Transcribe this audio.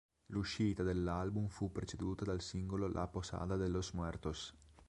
L'uscita dell'album fu preceduta dal singolo "La posada de los muertos".